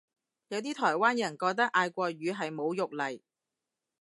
有啲台灣人覺得嗌國語係侮辱嚟